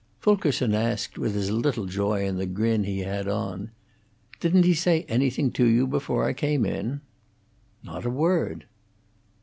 Fulkerson asked, with as little joy in the grin he had on, "Didn't he say anything to you before I came in?" "Not a word."